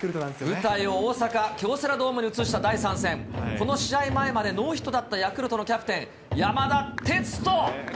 舞台を大阪・京セラドームに移した第３戦、この試合前までノーヒットだったヤクルトのキャプテン、山田哲人。